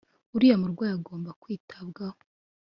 uriya murwayi agomba kwitabwaho